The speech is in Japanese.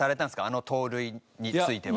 あの盗塁については。